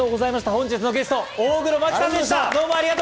本日のゲストは大黒摩季さんでした。